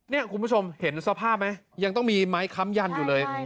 นี่คุณผู้ชมเห็นสภาพไหมยังต้องมีไม้ค้ำยันอยู่เลย